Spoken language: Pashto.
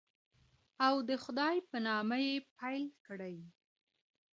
او د خدای په نامه یې پیل کړئ.